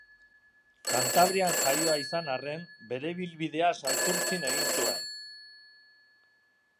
Kantabrian jaioa izan arren, bere ibilbidea Santurtzin egin zuen.